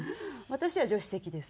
私は助手席です。